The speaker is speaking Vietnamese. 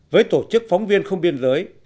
với tổ chức phóng viên không biên giới